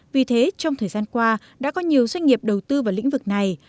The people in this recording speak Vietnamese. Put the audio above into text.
vì thế trong thời gian qua đã có nhiều doanh nghiệp đầu tư vào lĩnh vực này